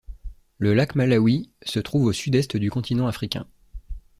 Le lac Malawi se trouve au sud-est du continent africain.